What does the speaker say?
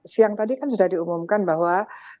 siang tadi kan sudah diumumkan bahwa